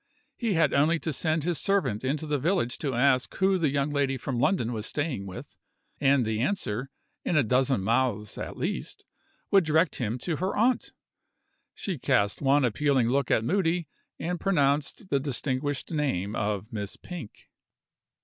He had only to send his servant into the village to ask who the young lady from London was staying with, and the answer, in a dozen mouths at least, would direct him to her aunt. She cast one appealing look at Moody and pronounced the distinguished name of Miss Pink.